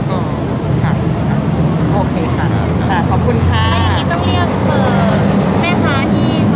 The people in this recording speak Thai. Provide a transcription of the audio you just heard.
กองโอเคค่ะค่ะขอบคุณค่าตั้งแต่อย่างงี้ต้องเรียกอ่ะ